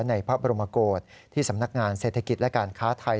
ในพระบรมโกศที่สำนักงานเศรษฐกิจและการค้าไทย